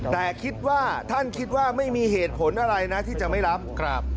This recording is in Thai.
แต่คิดว่าท่านคิดว่าไม่มีเหตุผลอะไรนะที่จะไม่รับครับ